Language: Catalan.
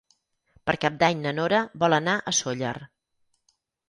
Per Cap d'Any na Nora vol anar a Sóller.